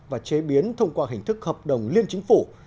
và chế biến thông qua hình thức hợp đồng liên chính phủ